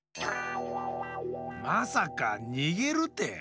まさかにげるて！